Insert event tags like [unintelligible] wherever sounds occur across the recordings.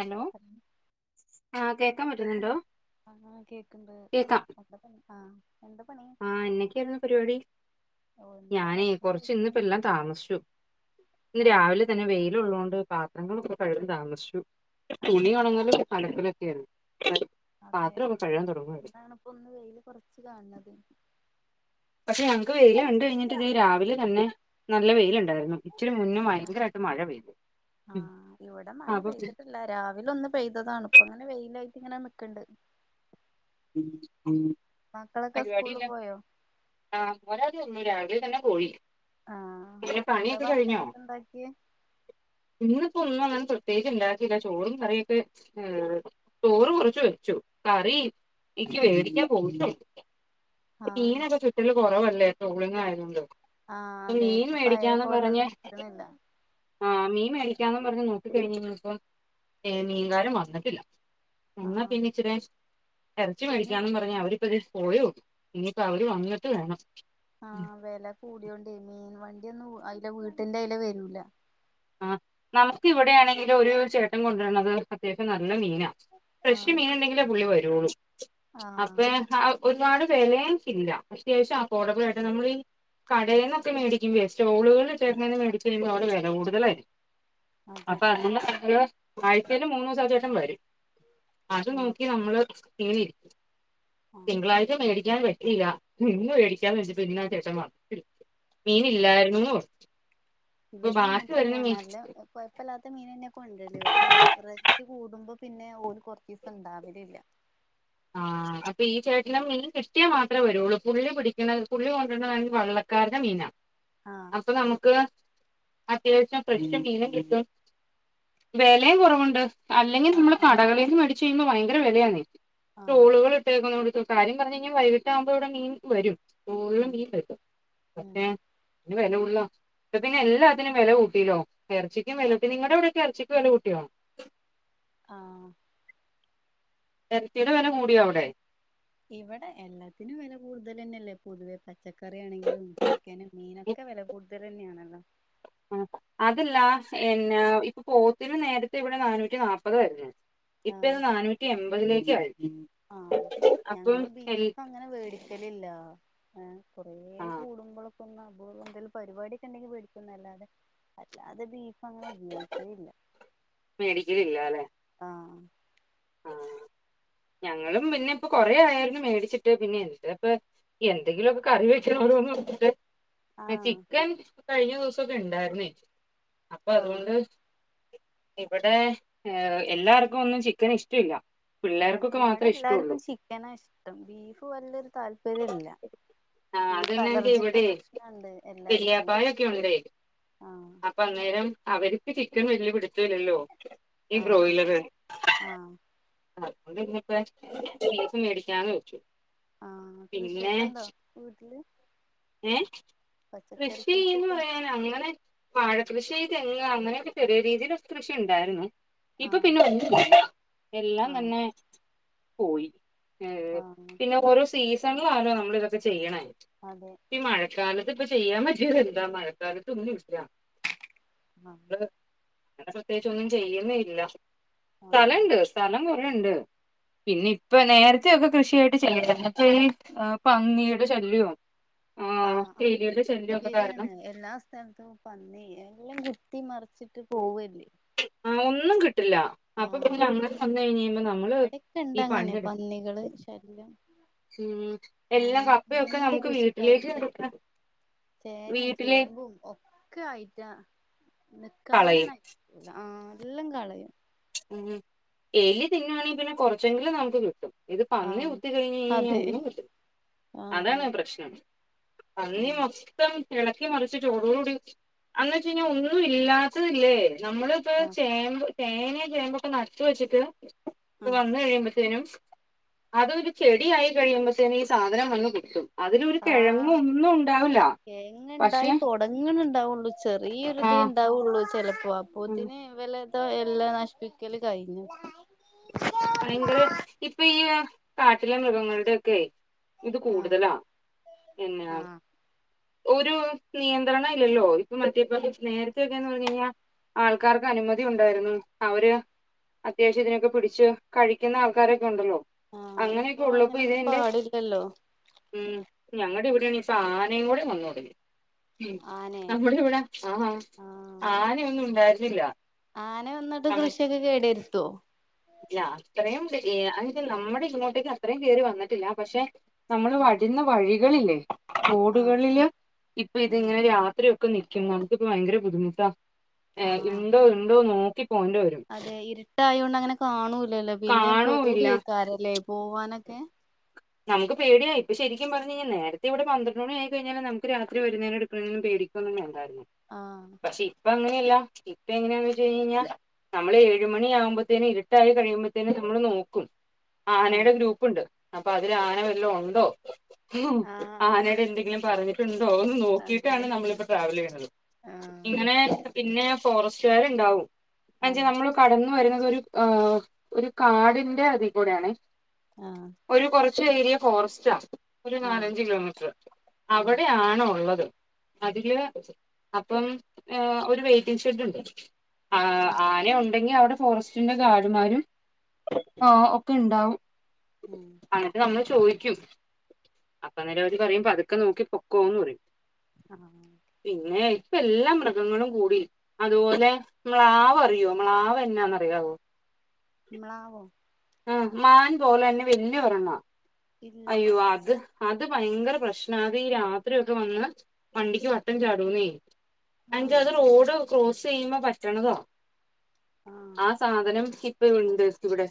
Hello [unintelligible] ആഹ് കേക്കാൻ പറ്റുന്നുണ്ടോ? കേക്കുന്നു കേക്കണ്ട് അ ആ ആ എന്നൊക്കെയായിരുന്നു പരിപാടി ഓഹ് എന്താ ഞാനേ ഭക്ഷണം കൊർച്ച് കഴിക്ക്ണ് ന്നിപ്പല്ലാം താമസിച്ചു ഇന്ന് ആഹ് രാവിലെ തന്നെ വെയില്ള്ളോണ്ട് പാ ഞങ്ങൾ ഇപ്പോ കയറി താമസിച്ചു തുണി ആഹ് ഉണങ്ങലും അലക്കൽ ഒക്കെയായിരുന്നു അതെ ഇന്നാണിപ്പോ ഒന്ന് വെയില് കുറച്ച് കാണത് പക്ഷെ ഞങ്ങക്ക് വെയില് കണ്ട കഴിഞ്ഞിട്ട് ഇത് ആഹ് രാവിലെ തന്നെ നല്ല വെയിലണ്ട് ണ്ടായിരുന്നു. ഇച്ചി മുന്ന് ഭയങ്കരായിട്ട് മഴ പെയ്തു. ആ ഉം ഇവിടെ മയ അപ്പൊ പെയ്തിട്ടില്ല രാവിലെ ഒന്ന് പെയ്തതാണ്. ഇപ്പ ങ്ങനെ വെയില ഇങ്ങനെ നിക്ണ്ട് ഉം ഉം സ്കൂളിൽ പരിപാടില്ല പോയോ ആ ഒരാൾത് [unintelligible] തന്നെ പോയി ആഹ് പിന്നെ എന്താ പണിയൊക്കെ കഴിഞ്ഞോ? ഭക്ഷണൊക്കെ ഇണ്ടാക്കിയെ ഇന്ന് പ്പൊന്നും ങ്ങ പ്രത്യേകിച്ച് ണ്ടാക്കില്ല ചോറും കറിയൊക്കെ ഏ ചോറ് കുറച്ച് വെച്ചു കറി ഇ ക്ക് വേടിക്കാൻ പോയിറ്റോ ആഹ് മീനൊക്കെ ചുറ്റൽല് കൊറവല്ലേ ട്രോളിംഗ് ആയതൊണ്ട് ആ അതെ ഇപ്പൊ പയേ പോലൊന്നും കിട്ട് ണില്ല. ആ മീൻ മേടിക്കാന്ന് പർഞ് നോക്കിക്കയ്ഞ്ഞീഞ്ഞിപ്പം ഏ മീൻകാരും വന്നിട്ടില്ല. എന്നാ ആഹ് പിന്നിച്റേ ഇറച്ചി ഇന്ന് മേടിക്കാന്ന് പറഞ് അവരിപ്പതെ പോയോ. ഇനിയിപ്പോ അവര് വന്നിട്ട് വേണം ആ വെല കൂടിയോണ്ടേ മീൻ വണ്ടിയൊന്നും ഉ ഐലെ വീട്ടിന്റെ അയിലെ വരൂല. ആ നമുക്ക് ഇവിടെയാണെങ്കിലും ഒരു ചേട്ടൻ കൊണ്ടര്ന്നത് അത്യാവശ്യം നല്ല മീനാ. ഫ്രഷ് ആഹ് മീന്ണ്ടെങ്കില് പുള്ളി വരോളു. ആഹ് അപ്പയാ ഹാഹ് ഒരുപാട് വെലേം ഇല്ല. അത്യാവശ്യം അഫോർഡബിൾ ആയിട്ട് നമ്മളീ കടേന്നൊക്കെ മേടിക്ക്മ്പൊ സ്റ്റോളുകള് ചേര്ന്ന്ന്ന് [unintelligible] [unintelligible] അതെ അപ്പൊ [unintelligible] ആഴ്ചേല് മൂന്നൂസം ആ ചേട്ടൻ വരും. അത് ആഹ് നോക്കി നമ്മള് [unintelligible] ആഹ് തിങ്കളാഴ്ച മേടിക്കാൻവരും. ഇല്ല ഇന്ന് മേടിക്കാൻ വച്ചപ്പ ഇന്നാ ചേട്ടൻ വാന്നിട്ടില് മീന് ഇല്ലായിരുന്നുന്ന് പർഞു ഇവടെ അങ്ങൻ തന്നെയാ. നല്ല ഹ് കൊയപ്പല്ലാത്ത മീനന്നെ കൊണ്ടര്ല് പക്ഷെ റൈട് കൂടും. മ്പൊ പിന്നെ ഓല് കൊർചീസം ണ്ടാവല് ല്ല ആ ആ അപ്പൊ ഈ ചേട്ടൻെ മീൻ കിട്ടിയാ മാത്രേ വരുള്ളൂ. പുള്ളി പിടിക്കണെ പുള്ളി കൊണ്ട്ര്താണങ്കി വള്ളക്കാരുടെ മീനാ. ആഹ് അപ്പൊ നമുക്ക് അത്യാവശ്യം ഫ്രഷ് മീനും കിട്ടും വെലേം കൊറവുണ്ട്. അല്ലെങ്കിൽ ആഹ് നമ്മള് ആഹ് കടകളിൽ നിന്ന് മേടിച്ച് കഴുമ്പോ ഭയങ്കര വെലയാണ് ആഹ് ടോളുകൾ ഇട്ടേ ക്കുന്നടുത് കാര്യം പർഞ്ഞഴിഞ്ഞാ വൈകീട്ടാകുമ്പോൾ ഇവിടെ മീൻ വരും ഉം ഉം [unintelligible] [unintelligible] വെല കൂട്ലോ പ്പൊ പിന്ന എല്ലാത്തിനും വെല കൂട്ടീലോ എറച്ചിക്കും വില കൂട്ടി അതെ നിങ്ങടെ വിടെക്ക എർച്ചക്ക് വെലൂട് [unintelligible] ആ എൽതീടെ വെല കൂടിയോ അവിടെ? ഇവടെ എല്ലാത്തിനും വില കൂടുതലെന്നെല്ലേ പൊതുവെ പ ച്ചക്കറി ആണെങ്കിലും ചിക്കനും മീനൊക്കെ വെല കൂടുതലെന്നെയാണല്ലോ. ആ അതല്ല എന്ന പ്പൊ പോത്തിന് നേരത്തെ ഇവിടെ നാനൂറ്റി നാല്പത് വര്ന്നു ഇപ്പ ത് നാനൂറ്റി എൺമ്പതിലേക്യായി ആ ഹ ഞങ്ങള് എൽ ബീഫ് അങ്ങനെ വേടിക്കലില്ല. ഏ കൊറേ ആ കൂടുമ്പൊളൊ ഒന്നപൂർവന്തെലും പരിവാടിക്കെണ്ടെങ്കി വെട്കുന്നല്ലാതെ അല്ലാ തെ ബീഫ അങ് ഉപയോയിക്കേല്ല മേടിക്കലില്ല അല്ലെ ആഹ് ആ ഞങ്ങളും പിന്നെ ഇപ്പൊ കൊറേ ആയാലും മേടിച്ചിട്ട് പിന്നെ എന്ത് പ്പ എന്തെങ്കിലൊന്ന് കറി വെച്ണോ [unintelligible] ആഹ് ചിക്കൻ കഴിഞ്ഞ ദിവസൊക്കെ ഇണ്ടായിര്ന്നേ. അപ്പൊ ആഹ് അതുകൊണ്ട് ഇവിടെ ഏ എല്ലാർക്കും ഒന്നും ചിക്കൻ ഇഷ്ടവില്ല ആ ഇവിടെ എല്ലാർക്കും ചിക്കന ഇഷ്ടം ബീഫ് വല്ലൊരു താല്പര്യ ഇല്ല ആഹ ബീഫ് [unintelligible] അലർജിന്റെ ഇവിടെ പ്രശ്നണ്ട് എല്ലാർക്കും വെല്യാാപ്പായൊക്കെ ഉണ്ടെയേ ആഹ് അപ്പൊ അന്നേരം അവര് റ്റി ചിക്കൻ വല്യ പിട്ത് ല്ലല്ലോ. ഈ ആഹ് ബ്രോയിലർ ആഹ് അതോണ്ട്ന്ന്പ്പ [unintelligible] ബീഫ് മേടിക്കാന്ന് വെച്ചു ആ പിന്നെ കൃഷിയൊക്കെ ഉണ്ടോ വീട്ടില്? ഏ പച്ചക്കറി കൃഷീന്ന് കൃഷിയൊക്കെ പറയാന അങ്ങനെ വാഴ കൃഷി തെങ് അങ്ങനൊക്കെ ചെറിയ രീതിൽ കൃഷി ഉണ്ടായിരുന്നു ഇപ്പൊ ആഹ് പിന്നെ [unintelligible] എല്ലാം ആഹ് തന്നെ പോയി മ്മ് ആഹ് പിന്നെ ഓരോ സീസണിൽ ആണോ നമ്മൾ ഇതൊക്കെ ചെയ്യണ അതെ ഈ മഴക്കാലത്ത് ഇപ്പ ചെയ്യാൻ പറ്റിയതെന്താ മഴക്കാലത്ത് ഒന്നും ഇല്ല ആ നമ്മള് അങ്ങനെ പ്രത്യേകിച്ച് ഒന്നും ചെയ്യുന്നല്ല ആഹ് സ്ഥലുണ്ട് സ്ഥലം കൊറേയുണ്ട് പിന്നെ ഇപ്പ നേരത്തെ ഒക്കെ കൃഷിയായിട്ട് ചെയ്യണ്ട [unintelligible] പന്നിയുടെ ശല്യോ ആഹ ശരിയാണ് കാരണം എല്ലാ സ്ഥലത്തും പന്നി എല്ലാം കുത്തി മറച്ച് വച്ചിട്ട് പോവല്ലേ ഇല്ല അപ്പൊ ആഹ് പിന്നെ അങ്ങനെ വന്ന് കഴിഞ്ഞ കഴിയുമ്പോ നമ്മള് ഇവിടെക്കെ ഇണ്ട് ഈ അങ്ങനെ പണെടുക്ക പന്നികള് ശല്യം ഉം ആഹ് എല്ലാം നമ്മള് കപ്പയൊക്കെ എന്ത് നമുക്ക് കുഴിച്ചിട്ടാലും വീട്ടിലേക്ക് ചേ എടുക്കാം ചേനയും ചേമ്പും ഒക്കെ ആയിട്ടാ കളയും. കാനണായി ആ എല്ലാം കളയും ഉം എലി തിന്നുവാണെങ്കിൽ പിന്നെ കുറച്ചെങ്കിലും നമുക്ക് കിട്ടും ഇത് പന്നി ആഹ് കുത്തി കഴിഞ്ഞേഴിഞ്ഞാൽ അതെ ഒന്നും കിട്ടില്ല അതാണ് ആഹ് പ്രശ്നം പന്നി ആഹ് മൊത്തം ഇളക്കി ഇളക്കി മറിച്ചട്ട് ഓടോടുകൂടി അന്ന് വെച്ച് കഴിഞ്ഞാൽ ഒന്നും ഇല്ലാത്തത് ഇല്ലേ നമ്മളിപ്പോ ആഹ് ചേമ്പ് ചേനയും ചേമ്പൊക്കെ നട്ടുവെച്ചിട്ട് ആഹ് വന്ന് കഴിയുമ്പ [unintelligible] അതൊരു ചെടിയായി കഴിയുമ്പത്തേനും ഈ സാധനം വന്ന് കൊത്തും അതിലൊരു കിഴങ്ങും ആഹ് ഒന്നും തേങ്ങ പക്ഷെ ഇണ്ടായി തുടങ്ങനുണ്ടാവുള്ളു ആ ചെറിയൊരിതേ ഉണ്ടാവുള്ളു ചിലപ്പോ അപ്പ ഉം, ത്തിന് വല്ലതോ എല്ലാം നശിപ്പിക്കല് കഴിഞ്ഞു ഭയങ്കര ഇപ്പൊ ഈ കാട്ടിലെ മൃഗങ്ങളുടെ ഒക്കെ ആയി ഇത് ആഹ് കൂടുതലാ പിന്ന ആഹ് ഒരു നിയന്ത്രണം ഇല്ലല്ലോ ഇപ്പ മറ്റേപ്പ നേരത്തെൊക്കെയന്ന് പറഞ്ഞു കഴിഞ്ഞാ ആൾക്കാർക്ക് അനുമതി ഉണ്ടായിരുന്നു അവര് അത്യാവശ്യതിനൊക്കെ പിടിച്ച് കഴിക്കുന്ന ആൾക്കാരൊക്കെ ഉണ്ടല്ലോ ആഹ് ഇപ്പൊ അങ്ങനെയൊക്കെ ഉള്ളപ്പോ അങ്ങനൊന്നും ഇതിന്റെ പാടില്ലല്ലോ മ്മ് ഞങ്ങടെ ഇവിടെ ആണേൽ [unintelligible] നീ കൂടെ [unintelligible] മ്മ് ആനെ നമ്മുടെ ഇവിടെ ആഹ ആന ഒന്നും ഉണ്ടായിരുന്നില്ല ആനെ വന്നിട്ട് നമ്മ കൃഷിയൊക്കെ കേടിരുത്തുവോ ഇല്ല അത്രയും [unintelligible] നമ്മുടെ ഇങ്ങോട്ടേക്ക് അത്രയും കേറി വന്നിട്ടില്ല പക്ഷെ നമ്മള് വരുന്ന വഴികളില്ലേ റോഡുകളില് ഉം ഇപ്പതിങ്ങനെ രാത്രിയും [unintelligible] നമുക്കിപ്പൊ ഭയങ്കര ബുദ്ധിമുട്ടാ ഇണ്ടോ ഇണ്ടോ നോ അതെ ഇർട്ടായൊണ്ട് അങ്ങനെ കാണൂലല്ലോ പിന്നെ കാണൂല്ല പേടിയ്ക്കാാരല്ലേ പോവാനൊക്കെ ഏ നമുക്ക്പേടിയായി ഇപ്പോ ശരിക്കുപറഞ്ഞയ്ഞ്ഞാ നേത്തെ ഇവിടെ പന്ത്രണ്ട് മണിയായി കഴിഞ്ഞാല നമുക്ക്‌രാത്രിഒരുനേരം അടുക്കുന്നേന് മുന്നേ ഇപ്പൊന്നും വെണ്ടാർന്നു ആഹ് പക്ഷെ ഇപ്പ ങ്ങനല്ല ഇപ്പ എങ്ങനാവെച്ചയ്ഞ്ഞഞ്ഞ നമ്മള് ഏഴുമണി ആവുമ്പെത്തിന് ഇര്ട്ടായി കയിമ്പേത്തിന് നമ്മള് നോക്കും ആനേടെ ആഹ് ഗ്രൂപ്പുണ്ട് അപ്പ അതിൽ ആന വല്ലെണ്ടോ ഹും.. ആഹ് ആനടെന്തെങ്കിലും പറഞ്ഞിട് ട്ടൊന്ന് അതെ ന്നോക്കിയിട്ടാണ് നമ്മളിപ്പ ട്രാവലിയന്നത് ആഹ് ഇങ്ങനെ പിന്നെ.. ഫോറസ്റ്റാർണ്ടാവും [unintelligible] ആഹ് നമ്മള് കടന്ന് ഞാ വരുന്നത് ആ ഒരു കാടിന്റെ അതീ കൂടാണേ ആ... ഒരു കുറച്ച് ഏരിയ ഫോറസ്റ്റാ ഒരു ആഹ് നാലഞ്ച് കിലോമീറ്റർ ആഹ് അവിടെയാണുള്ളത് അതില് അപ്പം ഏ ഒരു വെയ്റ്റിംഗ് ഷെഡഡുണ്ട്. ആ ആന ഉം ടെങ്കി അവിടെ ഫോറസ്റ്റിന്റെ ഗാർഡ്മാരും ആ ഒക്കെണ്ടാവും ഉം അന്നട്ട് നമ്മള് ചോയിക്കും അപ്പന്നെര് അവര് പറയും പത്ക്കെനോക്കി പോക്കൊന്ന് പറയും ആഹ് പിന്നെ.. ഇപ്പല്ലാ മൃഗങ്ങളും കൂടി അതുപോലെ മ്ല്ളാവ് അറിയോ മ്ലാളാവ് എന്നാന്നറിയാവോ മ്ലാളാവോ? ഉം മാൻ പോലെന്നെ വല്യ ഒരെണ്ണാ ഇല്ല അയ്യോ അത് അത് ഭയങ്കര പ്രശ്നാ അത് ഈ രാത്രിയൊക്കെ വന്ന് വണ്ടിക്ക് വട്ടം ചാടുന്നേ അഞ്ചാ ആഹ് അത് റോഡ് ക്രോസെയുമ്പോ പറ്റണതാ ആഹ് ആ സാധനം ഇപ്പ വെടണ്ട് ഇവിടെ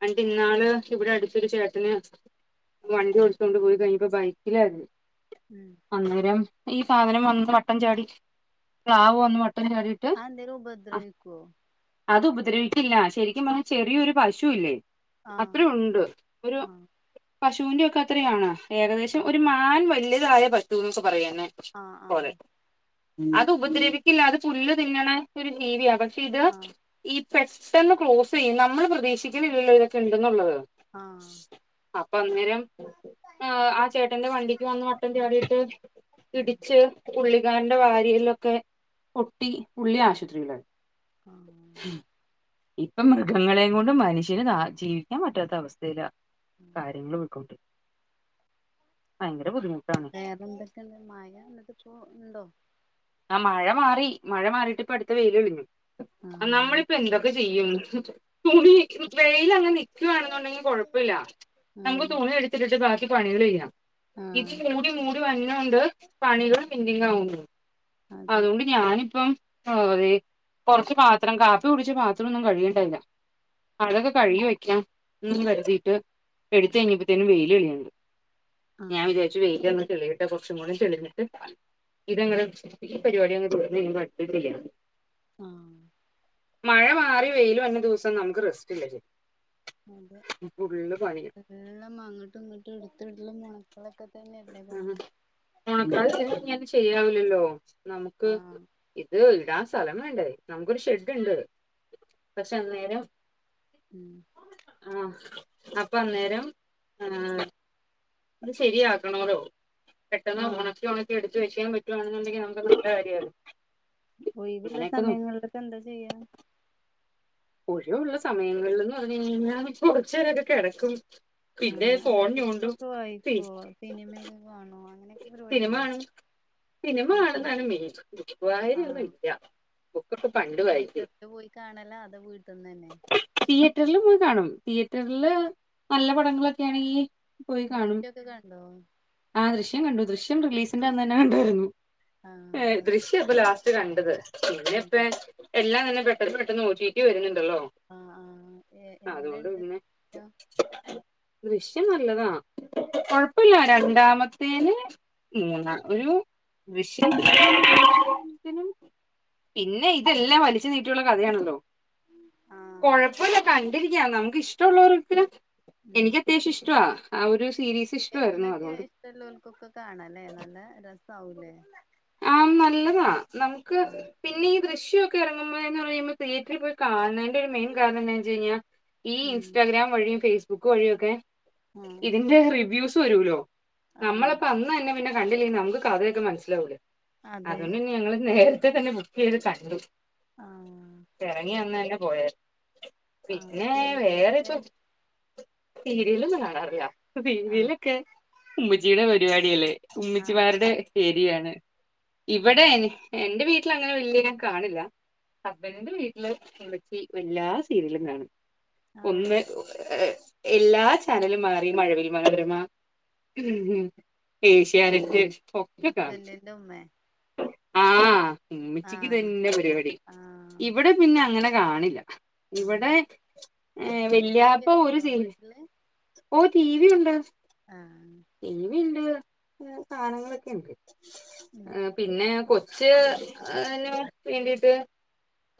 പണ്ട് ആഹ് ഇന്നാള് ഇവിടെ അടു ഒരുച്ചേട്ടന് വണ്ടി ഓടിച്ചുകൊണ്ട് പോയി കഴിഞ്ഞപ്പോ ബൈക്കിലായിരുന്നു ഉം അന്നേരം ഈ സാധനം വന്ന് വട്ടം ചാടി മ്ലാവ് വന്ന് വ അ എന്തേലും ഉപദ്രവിക്കോ അതു ഉപദ്രവിക്കില്ല ശരികും പറഞാ ചെറിയൊരു പശു ഇല്ലേ ആഹ് അത്രയുണ്ട് ഒരു ആഹ് പശുന്റക്കെ അത്രയാണ് ഏകദേശം ആഹ് ഒരു മാൻ വല്യ താഴെ പറ്റൂ എന്നൊക്കെ പറയന്നെ ആഹ് പോലെ ആഹ് അതുപദ്രവിക്കില്ല അത് പുല്ല് തിന്നണ ഒരു ജീവിയാ പക്ഷെ ഇത് ആഹ് ഈ പെട്ടെന്ന് ക്ലോസെയും നമ്മള് പ്രതീക്ഷിക്കണ്ല്ലല്ലോ തൊക്കെ ണ്ടെന്നുള്ളത് ആ അപ്പൊ അന്നേരം ആ ആചേട്ടന്റെ വണ്ടിക്ക് വന്ന് വട്ടം ചാടീട്ട് ഉം ഇടിച്ച് പുള്ളിക്കാരന്റെ വാരി ലൊക്കെ പൊട്ടി പുള്ളി ആശുപത്രിലാ ആ... ഇപ്പം മൃഗങ്ങളെകൊണ്ട് മൻഷ്യന് ജീവിക്കാപറ്റാത്ത അവസ്ഥയിലാ കാര്യങ്ങൾ പോയ്ക്കൊണ്ട്... വേറെന്തെക്കെണ്ട് മഴ ന്ന്ട്ട്പ്പൊ ണ്ടോ അ മഴ മാറി മഴ മാറീട്ട് പോ അട്ത്ത വെയില് വര്ണ് ആഹ് നാളിപ്പൊ എന്തൊക്കെ ചെയ്യും തുണീ വെയ്ലങ്ങനെ നിക്കുവാണന്നുണ്ടകിൽ കൊഴപ്പില്ല നമ്മക് ആഹ് തുണി എടുത്തിട്ടിട്ട് ബാക്കി പണികള് ചെയ്യാം ഇത് ആഹ് മൂടി മൂടി വന്നൊണ്ട് പണികള് പെന്റിങ്ങാവുന്നേ അതെ അതോണ്ട് ഞാനും ഇപ്പം അ തേ കുറച്ച പാത്രം കാപ്പി കുടിച്ച പാത്രം ഒന്നും കഴികിട്ടേല്ല അതൊക്കെ ഉം കഴുകി വെക്കാം. ന്ന് കര്തീട്ട് എടുത്ത് കഴിഞ്ഞപ്പ ത്തേനും വെയില് കഴി ഞാൻ ആഹ് വിചാരിച്ചു വെയിലാങ്ങട്ട് തെളിയട്ടെ കൊറച്ചും കൂടി തെ ളിഞ്ഞിട്ട് ഇതങ്ങെട് ഈ പരിപാടി അങ് ത്ർന്ന് കഴിഞ്ഞ്ട്ട് അടുത്തചെയ്യാ ആ മഴ മാറി വെയിലും വന്ന ദിവസം നമുക്ക് റെസ്റ്റ് ഇല്ല അതെ ശരിക്കും ഫുള്ള് പണിയാ അത് അങ്ങോട്ടും ഇങ്ങോട്ടും എടുത്ത്ടലും ഒണക്ക ലൊക്കെ തന്നെ ല്ലേ പണി ണക്ക [inaudible] ശരിയ്യാവില്ലല്ലോ നമുക്ക് ആഹ് ഇത് ഇടാൻ ആ സ്ഥലം വേണ്ടേ നമക്കൊരു ഷെഡ്ണ്ട് പക്ഷെ അന്നേരം ഉം ആഹ അപ്പൊ അന്നേരം ആ അത് ശെരിയാക്കണോലോ പെട്ടെന്ന് ആഹ് ണക്കി ഒണക്കി എടുത്ത് വെക്കാൻ പറ്റുവാണെന്നുണ്ടങ്കിൽ നമുക്ക് നല്ല കാര്യല്ലോ ഒയിവുള്ള സമയങ്ങളിലൊക്കെ എന്താ ചെയ്യാ ഒഴിവുള്ള സമയങ്ങളിൽന്ന് പറഞ്ഞ കഴിഞ്ഞാൽ കുറച്ചു നേരൊക്കെ കിടക്കും പിന്നെ ആഹ് അല്ല ഫോൺ ഞൂണ്ടും ബുക്കൊക്കെ വായിക്കുവോ സിനിമയൊക്കെ കാണോ അങ്ങനെ സിനിമാണും സിനിമ കാണുന്നതാണ് മെയ്ൻ ബുക്കു ആഹ് വയനാന്നുംല്ല തിയേറ്ററില് പോയി കാണലണ് അതൊ വീട്ടന്ന് തന്നെ തീയറ്ററില് നല്ല പടങ്ങളൊക്കെയാണെങ്കിൽ ദൃശ്യൊക്കെ കണ്ടോ ആ ദൃശ്യം കണ്ടു ദൃശ്യം റിലീസിന്റെ അന്ന് തന്നെ കണ്ടായിരുന്നു ആഹ് ദൃശ്യം ഇപ്പൊ ലാസ്റ്റ് കണ്ടത് പിന്നെ ഇപ്പ ആഹ് എല്ലാം തന്നെ പെട്ടെന്ന് പെട്ടെന്ന് ഒറ്റി പി വരുന്നു ല്ലോ ആഹ് ആഹ് എ അതുകൊണ്ട് എങ്ങനെണ്ട് പിന്നെ ദൃശ്യം നല്ലതാ കൊഴപ്പില്ല രണ്ടാമത്തെ തേന മൂന്ന് ഒരു വിഷയത്തിനും പിന്നെ ഇതെല്ലാം വലിച്ചു നീട്ടിയുള്ള കഥയാണല്ലോ ആഹ് കൊഴപ്പില്ല കണ്ടിരിക്കാ നമുക്ക്ഷ്ടമുള്ളവർക്ക് ഉം എനിക്ക് അത്യാവശ്യം ഇഷ്ടവാ ആ ഒരു സീരീസ് ഇഷ്ടമായിരുന്നു അതുകൊണ്ട് ല്ലൂൽക്കൊക്ക കാണ അല്ലേ നല്ല രസവുംലേ ആഹ് നല്ലതാ നമുക്ക് പിന്നെ ഈ ദൃശ്യൊക്കെ ഇറങ്ങുമ്പോ എ പറയുമ്പ തിയറ്ററിൽ പോയി കാണുന്നതിന്റെ മെയ്ൻ കാരണം എന്താന്ന് വെച്ച് കഴിഞ്ഞാൽ ആഹ് ഇൻസ്റ്റാഗ്രാം വഴിയും ഫേസ്ബുക്ക് ബുക്ക് വഴിയൊക്കെ ആഹ് ഇതിന്റെ റിവ്യൂസ് വരുലോ ആഹ് നമ്മളപ്പോ അന്ന് തന്നെ പിന്നെ കണ്ടില്ലേ നമുക്ക് കഥയൊക്കെ മനസ്സിലാവൂലേ അതെ അതുകൊണ്ട് ഇ ഞങ്ങള് നേരത്തെ തന്നെ ബുക്ക് ചെയ്ത് കണ്ടു ആഹ് ഇറങ്ങി അന്ന് തന്നെ പോയാരുന്നു ആഹ് പിന്നെ വേറെ പ്പോ സീരിയലൊക്കെ സീരിയൽ ഒന്നും കാണാറില്ല ആഹ് സീരിയിലൊക്കെ ഉമ്മചിയുടെ പരിപാടില്ലേ ആഹ് ഉമ്മിച്ചിമാരുടെ ആഹ് ഏരിയാണ് ഇവിടെ ആഹ് എന്റെ വീട്ട വീട്ടില്അങ്ങനെ വല്ല്യ ഞാൻ കാണില്ല ഹസ്ബൻ്റിന്റെ വീട്ടില് ഉമ്മച്ചി എല്ലാ സീരിയലും കാണും ആഹ് ഒന്ന് ഏർ എല്ലാ ചാനലും മാറി മഴവിൽ മനോരമ ഉം ആഹ് ഏഷ്യാനെറ്റ് ഒക്കെ കാണും ഹസ്ബന്റിന്റെ ഉമ്മേ ആഹ് ഉമ്മച്ചിക്ക് ആഹ് ഇതന്നെ പരിപാടി ആഹ് ഇവിടെ പിന്നെ അങ്ങനെ കാണില്ല ആഹ് ഇവിടെ ഏ ടി വി വെല്യാപ്പ ഒക്കെ ഒരു ഉണ്ടോ സീരി വീട്ടില് ഓ തീ വി ഉണ്ട് ആഹ് ടി വി ഉണ്ട് സാധനങ്ങളൊക്കെ ഉണ്ട് ഉം പിന്നെ കൊ ച്ച് അതിന് വേണ്ടീട്ട്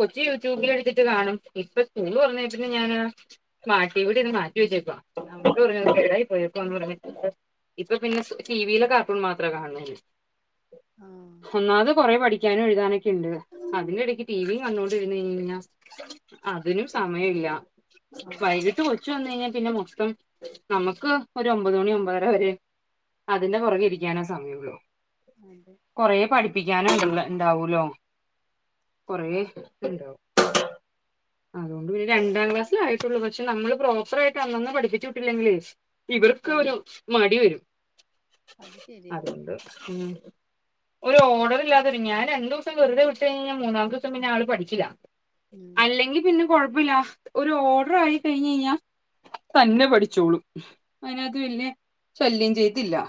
കൊച്ചു യൂട്യൂബിൽ എടുത്തിട്ട് കാണും ഇപ്പൊ സ്കൂൾ തുറന്നെ പിന്നെ ഞാൻ സ്മാർട്ട് ടീവിടെത് മാറ്റി വ റ്റിപ്പ എന്നിട്ട് പറഞ്ഞത് കേടായി പോയേക്കുവാന്ന് പറഞ്ഞ് ഇപ്പൊ പിന്നെ ടി വിയിലെ കാർട്ടൂൺ മാത്രേ കാണള്ളൂ ആഹ് ഒന്നാമത് കൊറെ പഠിക്ക ഠിക്കാനും എഴുതാനൊക്കെുണ്ട് അതിന്റെ ഇടയ്ക്ക് ടിവിയും കണ്ടുകൊണ്ടിരുന്നു കഴിഞ്ഞാ അതിനും സമയമില്ല ആഹ് വൈകിട്ട് കൊച്ച് വന്ന് കഴിഞ്ഞാൽ പിന്നെ മൊത്തം നമുക്ക് ഒരു ഒമ്പത് മണി ഒമ്പതര വരെ അതിന്റെ പൊറകെ ഇരിക്കാനാ സമയം ള്ളൂ അതെ കുറെ പടി - പ്പിക്കാനും ഉണ്ടാവലോ കൊറേ ആ ണ്ടാവ- രണ്ടാം ക്ലാസ്സൽയിട്ടുള്ളൂ പക്ഷെ നമ്മള് പ്രോപ്പർ ആയിട്ട് അന്നന്ന് പഠിപ്പിച്ചു വിട്ടില്ലെങ്കേ - ഒക്കെ ആഹ് ഒരു മടി വരും അത് ശരിയാ അതുകൊണ്ട് - ഒരു ഓർഡർ ഇല്ലാതെ ഞാൻ രണ്ട് ദിവസം വെറുതെ വിട്ട് കഴിഞ്ഞാൽ മൂന്നാമത്തെ ദിവസം പിന്നെ ആള് പഠിച്ചില്ല. ഉം അല്ലെങ്കി പിന്നെ കൊഴപ്പില്ല. ഒരു ഓർഡർ ആയി കഴിഞ്ഞഴിഞ്ഞാ തന്നെ പഠിച്ചോളും അങ്ങനെ അത് വല്ല്യ ശല്യം ചെയ്തില്ല